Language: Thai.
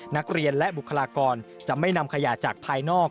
นักเรียนและบุคลากรจะไม่นำขยะจากภายนอก